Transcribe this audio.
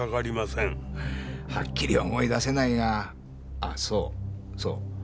はっきり思い出せないがあっそうそう。